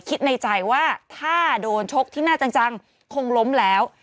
คิดในใจว่าถ้าโดนชกที่หน้าจังคงล้มแล้ว